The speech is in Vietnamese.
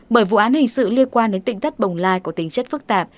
bởi vụ án hình sự liên quan đến tỉnh thất bồng lai có tính chất phức tạp